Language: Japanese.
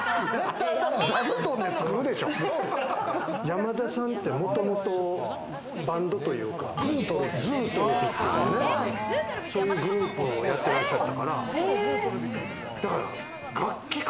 山田さんって、もともとバンドというか、「ずうとるび」ですよね。そういうグループをやってらっしゃったから。